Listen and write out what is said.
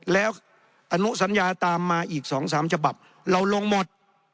แล้วอนุสัญญาตามมาอีก๒๓ฉบับเราลงหมด